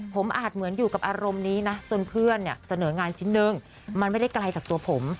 ผมอาจเหมือนอยู่กับอารมณ์นี้นะจนเพื่อนเนี่ยเสนองานชิ้นนึงมันไม่ได้ไกลจากตัวผม